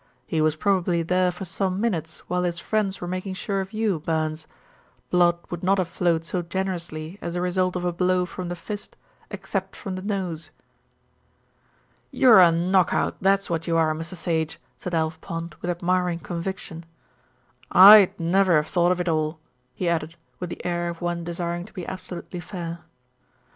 "He was probably there for some minutes while his friends were making sure of you, Burns. Blood would not have flowed so generously as a result of a blow from the fist except from the nose." "You're a knock out, that's what you are, Mr. Sage," said Alf Pond, with admiring conviction. "I'd never have thought of it all," he added, with the air of one desiring to be absolutely fair.